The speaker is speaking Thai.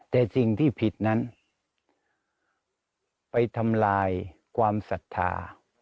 แต่สิ่งที่ผิดนั้นไปทำลายความศรัทธา